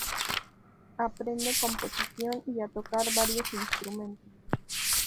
Aprende composición y a tocar varios instrumentos.